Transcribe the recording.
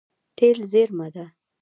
تېل زیرمه ده.